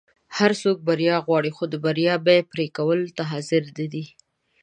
هر څوک بریا غواړي خو د بریا بیی پری کولو ته حاضر نه دي.